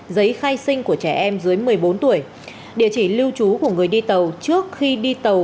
giấy khai sinh của trẻ em dưới một mươi bốn tuổi địa chỉ lưu trú của người đi tàu trước khi đi tàu